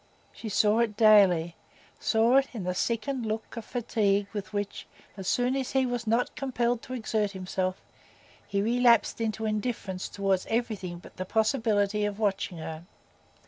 She saw it daily—saw it in the sickened look of fatigue with which, as soon as he was not compelled to exert himself, he relapsed into indifference toward everything but the possibility of watching her.